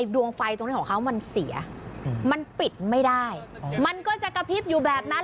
ดวงไฟตรงนี้ของเขามันเสียมันปิดไม่ได้มันก็จะกระพริบอยู่แบบนั้น